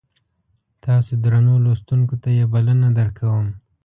تاسو درنو لوستونکو ته یې بلنه درکوم.